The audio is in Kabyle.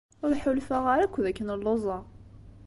Ur ḥulfaɣ ara akk d akken lluẓeɣ.